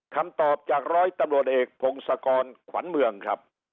คำตอบจากร้อยตำรวจเอกพงศกรขวัญเมืองครับ